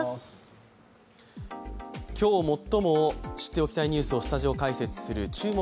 今日最も知っておきたいニュースを、スタジオ解説する「注目！